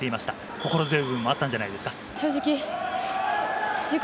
心強い部分もあったんじゃないですか。